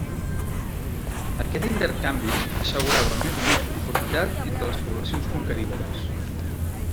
Aquest intercanvi assegurava més o menys conformitat entre les poblacions conquerides.